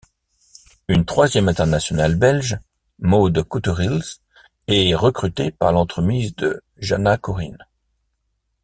Une troisième internationale belge, Maud Coutereels, est recrutée par l'entremise de Jana Coryn.